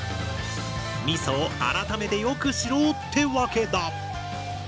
みそを改めてよく知ろうってわけだ。